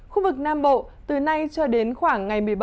khu vực nam bộ từ nay cho đến khoảng ngày một mươi bảy